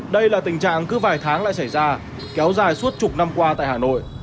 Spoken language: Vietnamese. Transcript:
đây là tình trạng cứ vài tháng lại xảy ra kéo dài suốt chục năm qua tại hà nội